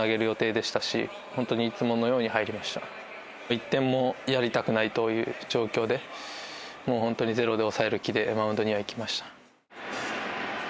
１点もやりたくないという状況でもう本当にゼロで抑える気でマウンドには行きました。